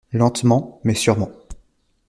Lentement mais sûrement